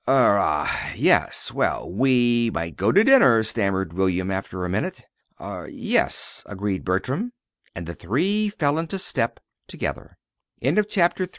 "Er ah yes; well, we might go to dinner," stammered William, after a minute. "Er yes," agreed Bertram. And the three fell into step together. CHAPTER IV. "JUST LIKE